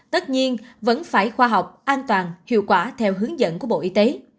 tất nhiên vẫn phải khoa học an toàn hiệu quả theo hướng dẫn của bộ y tế